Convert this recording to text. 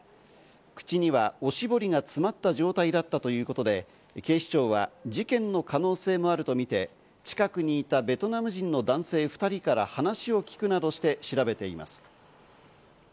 口にはおしぼりが詰まった状態だったということで、警視庁は事件の可能性もあるとみて、近くにいたベトナム人の男性２人から話を聞くなどして調べています。